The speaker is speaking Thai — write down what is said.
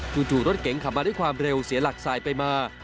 จู่รถเก๋งขับมาด้วยความเร็วเสียหลักสายไปมา